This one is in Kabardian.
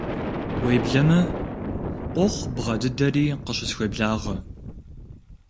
Уеблэмэ, къохъу бгъэ дыдэри къыщысхуеблагъэ.